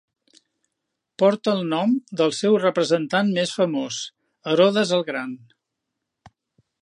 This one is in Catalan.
Porta el nom del seu representant més famós, Herodes el Gran.